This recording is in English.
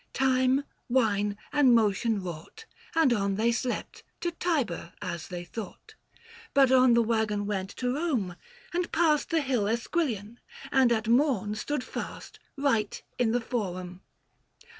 Time, wine, and motion wrought, And on they slept, to T.ibur, as they thought, But on the waggon went to Kome, and passed 825 The hill Esquilian, and at morn stood fast Eight in the Forum.